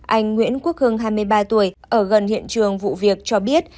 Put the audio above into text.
anh nguyễn quốc hưng hai mươi ba tuổi ở gần hiện trường vụ việc cho biết